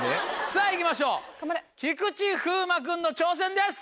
さぁ行きましょう菊池風磨君の挑戦です。